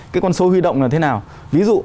cái con số huy động là thế nào ví dụ